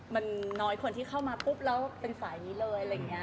มันน้อยคนที่เข้ามาปุ๊บแล้วเป็นสายนี้เลย